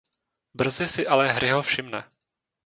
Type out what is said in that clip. Brzy si ale Harryho všimne.